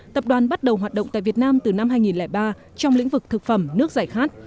tập đoàn bắt đầu hoạt động tại việt nam từ năm hai nghìn ba trong lĩnh vực thực phẩm nước giải khát